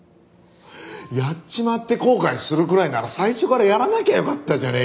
やっちまって後悔するくらいなら最初からやらなきゃよかったじゃねえかよ。